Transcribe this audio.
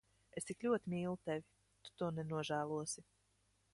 Es tik ļoti mīlu tevi. Tu to nenožēlosi.